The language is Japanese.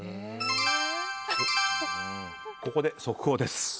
ここで速報です。